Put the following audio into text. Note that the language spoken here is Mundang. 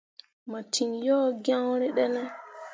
Mo ciŋ yo gyõrîi ɗine.